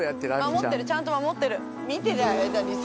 守ってるちゃんと守ってる。